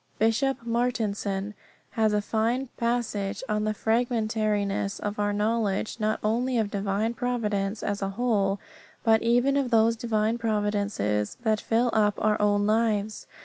Bishop Martensen has a fine passage on the fragmentariness of our knowledge, not only of divine providence as a whole, but even of those divine providences that fill up our own lives.